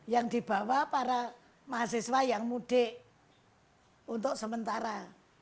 yang dibawa para mahasiswa yang mudik untuk sementara